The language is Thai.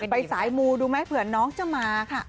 ไปสายมูดูไหมเผื่อน้องจะมาค่ะ